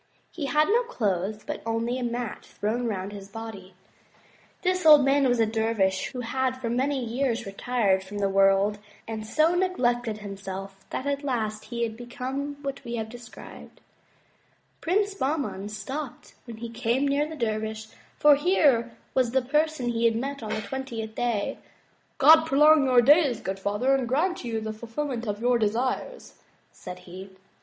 He had no clothes but only a mat thrown round his body. This old man was a dervish who had for many years retired from the world, and so neglected himself that at last he had become what we have described. Prince Bahman stopped when he came near the dervish for here was the first person he had met on the twentieth day. '*God prolong your days, good father, and grant you the ful filment of your desires," said he.